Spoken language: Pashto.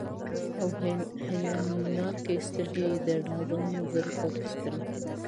او حیاناکي سترګي یې د رازونو زر غوټي سپړي،